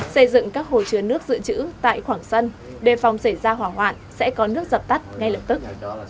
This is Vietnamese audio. xây dựng các hồ chứa nước dự trữ tại khoảng sân đề phòng xảy ra hỏa hoạn sẽ có nước dập tắt ngay lập tức